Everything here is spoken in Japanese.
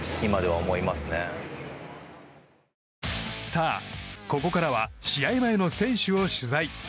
さあ、ここからは試合前の選手を取材。